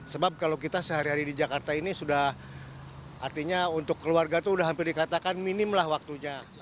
sebab kalau kita sehari hari di jakarta ini sudah artinya untuk keluarga itu sudah hampir dikatakan minim lah waktunya